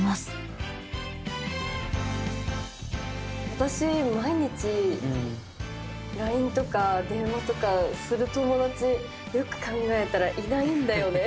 私毎日ＬＩＮＥとか電話とかする友だちよく考えたらいないんだよね。